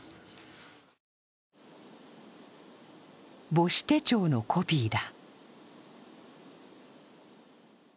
母子手帳のコピーだ。